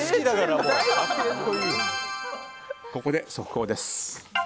ここで、速報です。